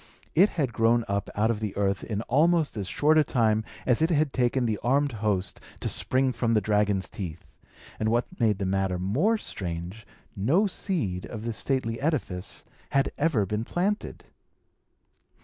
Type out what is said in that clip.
It had grown up out of the earth in almost as short a time as it had taken the armed host to spring from the dragon's teeth; and what made the matter more strange, no seed of this stately edifice had ever been planted.